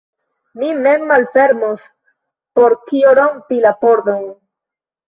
Mi mem malfermos, por kio rompi la pordon?